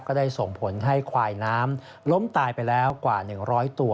ก็ได้ส่งผลให้ควายน้ำล้มตายไปแล้วกว่า๑๐๐ตัว